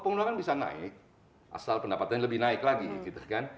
pengeluaran bisa naik asal pendapatannya lebih naik lagi gitu kan